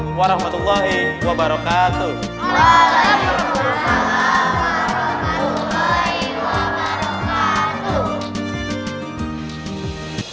waalaikumsalam warahmatullahi wabarakatuh